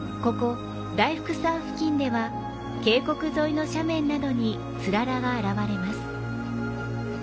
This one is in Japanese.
ここ大福山付近では渓谷沿いの斜面などに氷柱が現れます。